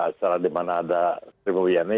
acara dimana ada sri mulyani